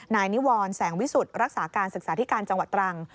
นายนิวรแสงวิสุทธิ์รักษาการศึกษาธิการจังหวัดตรัง